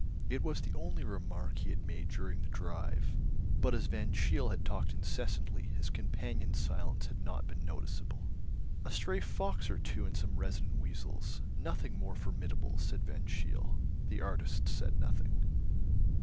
It was the only remark he had made during the drive, but as Van Cheele had talked incessantly his companion's silence had not been noticeable. "A stray fox or two and some resident weasels. Nothing more formidable," said Van Cheele. The artist said nothing.